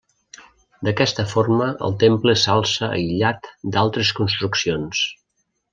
D'aquesta forma el temple s'alça aïllat d'altres construccions.